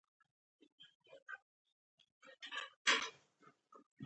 آزاد تجارت مهم دی ځکه چې پارکونه جوړوي.